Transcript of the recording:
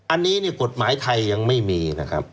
อันนี้กฎหมายไทยยังไม่มีนะครับ